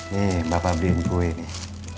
nih bapak beliin kue nih